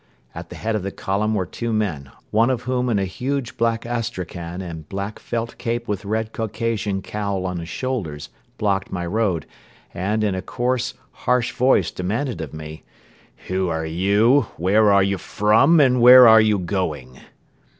At the head of the column were two men, one of whom in a huge black Astrakhan and black felt cape with red Caucasian cowl on his shoulders blocked my road and, in a coarse, harsh voice, demanded of me: "Who are you, where are you from and where are you going?"